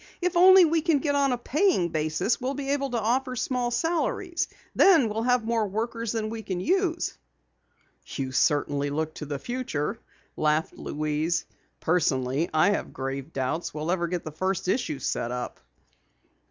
If only we can get on a paying basis, we'll be able to offer small salaries. Then we'll have more workers than we can use." "You certainly look to the future," laughed Louise. "Personally I have grave doubts we'll ever get the first issue set up."